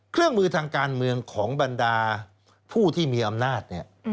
เครื่องมือทางการเมืองของบรรดาผู้ที่มีอำนาจเนี่ย